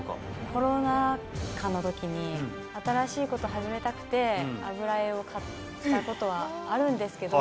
コロナ禍の時に新しいこと始めたくて油絵を買ったことはあるんですけど。